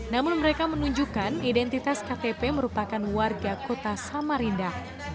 namun mereka menunjukkan identitas ktp merupakan warga kota samarinda